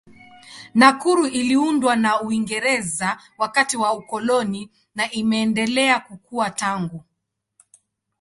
Nakuru iliundwa na Uingereza wakati wa ukoloni na imeendelea kukua tangu.